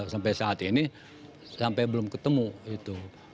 sampai saat ini sampai belum ketemu itu